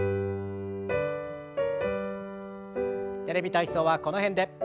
「テレビ体操」はこの辺で。